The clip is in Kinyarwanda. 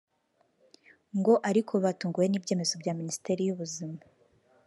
ngo ariko batunguwe n’ibyemezo bya Minisiteri y’Ubuzima